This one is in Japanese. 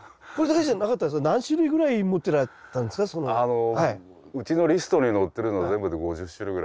あのうちのリストに載ってるのは５０種類！